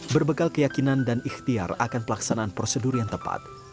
berbekal keyakinan dan ikhtiar akan pelaksanaan prosedur yang tepat